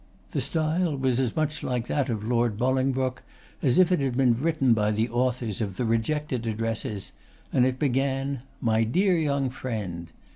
The style was as much like that of Lord Bolingbroke as if it had been written by the authors of the 'Rejected Addresses,' and it began, 'My dear young friend.